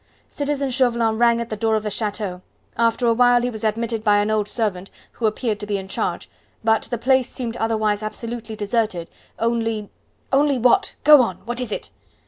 "Citizen Chauvelin rang at the door of the chateau; after a while he was admitted by an old servant, who appeared to be in charge, but the place seemed otherwise absolutely deserted only " "Only what? Go on; what is it?"